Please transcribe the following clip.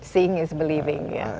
seeing is believing ya